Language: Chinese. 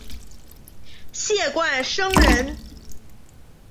谢冠生人。